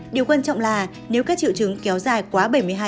điều quan trọng là nếu các triệu chứng kéo dài quá bảy mươi hai